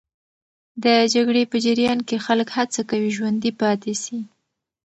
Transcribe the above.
د جګړې په جریان کې خلک هڅه کوي ژوندي پاتې سي.